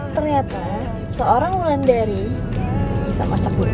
ternyata seorang melandari bisa masak bulu